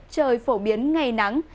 trời phổ biến ngày nắng